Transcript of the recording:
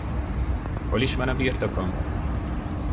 Hol is van a birtokom?